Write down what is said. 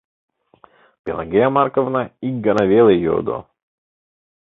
Пелагея Марковна ик гана веле йодо: